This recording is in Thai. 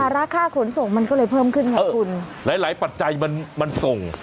ราคาขนส่งมันก็เลยเพิ่มขึ้นไงคุณหลายหลายปัจจัยมันมันส่ง